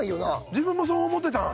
自分もそう思ってたん？